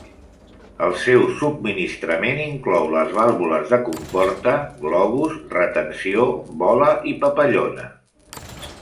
El seu subministrament inclou les vàlvules de comporta, globus, retenció, bola i papallona.